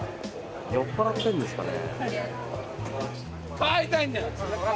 酔っ払ってるんですかね？